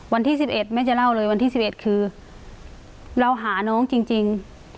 วันที่๑๑แม่จะเล่าเลยวันที่๑๑คือเราหาน้องจริง